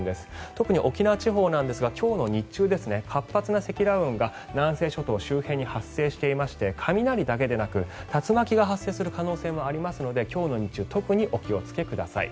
特に沖縄地方ですが今日の日中活発な積乱雲が南西諸島周辺に発生していまして雷だけでなく竜巻が発生する可能性もありますので今日の日中特にお気をつけください。